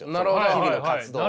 日々の活動を。